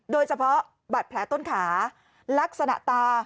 โดยเฉพาะบาดแผลต้นขาลักษณะตา